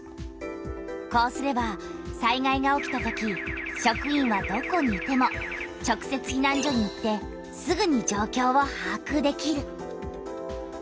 こうすれば災害が起きたとき職員はどこにいても直せつひなん所に行ってすぐに状況をはあくできる。